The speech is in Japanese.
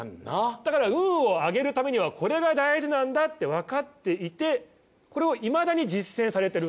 だから運を上げるためにはこれが大事なんだってわかっていてこれをいまだに実践されている。